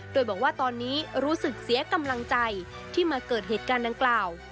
โดยบอกว่าตอนนี้รู้สึกเสียกำลังใจที่มาเกิดเหตุการณ์ดังกล่าว